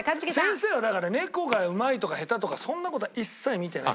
先生はだから猫がうまいとか下手とかそんな事は一切見てない。